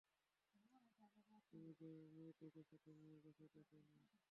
তুমি যে মেয়েটিকে সাথে নিয়ে গেছ তাকেও নিয়ে এসো।